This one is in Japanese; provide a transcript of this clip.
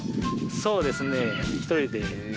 そうですね。